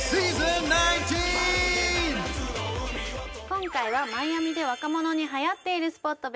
今回はマイアミで若者にはやっているスポット